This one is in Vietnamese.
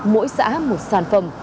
mỗi xã một sản phẩm